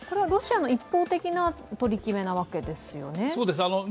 ロシアの一方的な取り決めなわけですよね？